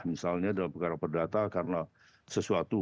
misalnya dalam perkara perdata karena sesuatu